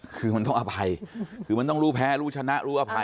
คือมันต้องอภัยคือมันต้องรู้แพ้รู้ชนะรู้อภัย